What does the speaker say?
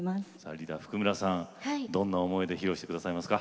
リーダー譜久村さんどんな思いで披露して下さいますか？